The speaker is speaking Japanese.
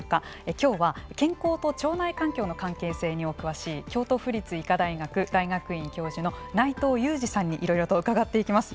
きょうは健康と腸内環境の関係性にお詳しい京都府立医科大学大学院教授の内藤裕二さんにいろいろと伺っていきます。